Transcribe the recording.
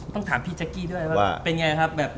ต้องถามพี่จักกี้ด้วยว่า